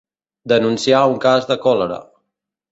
Denunciar un cas de còlera.